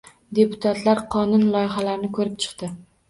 Deputatlar qonun loyihalarini ko‘rib chiqdi